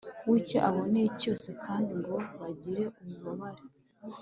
wicyo babonye cyose kandi ngo bagire ububabare